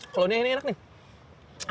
kalau dia ini enak nih